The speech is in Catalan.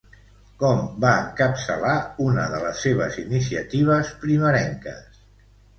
Com va encapçalar una de les seves iniciatives primerenques?